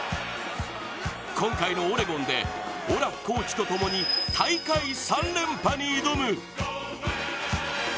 今回のオレゴンでオラフコーチとともに大会３連覇に挑む！